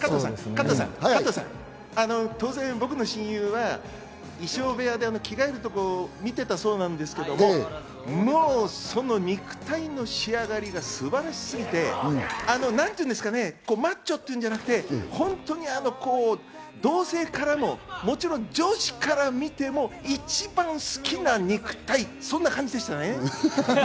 加藤さん、加藤さん、僕の親友は衣装部屋で着替えるところを見ていたそうなんですけど、もうその肉体の仕上がりが素晴らしすぎて、何て言うんですかね、マッチョっていうんじゃなくて、本当に同性からも、もちろん女子から見ても一番好きな肉体、そんな感じでした。